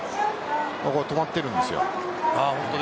止まっているんですよ。